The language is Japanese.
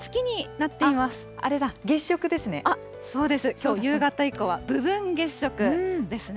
きょう夕方以降は部分月食ですね。